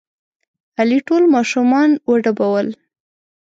علي ټول ماشومان وډبول.